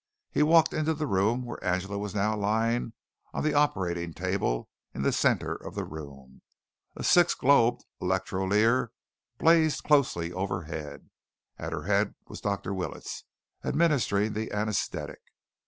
He walked into the room where Angela was now lying on the operating table in the centre of the room. A six globed electrolier blazed close overhead. At her head was Dr. Willets, administering the anæsthetic.